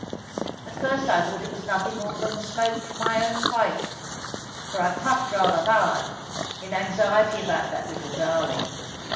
At first I thought it was nothing more than the smoke from my own pipe, for I puffed rather hard, in anxiety about that little darling.